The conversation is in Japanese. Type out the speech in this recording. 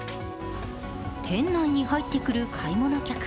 店内に入ってくる買い物客。